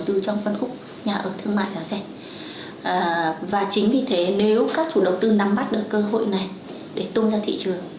để tìm kiếm cơ hội này để tung ra thị trường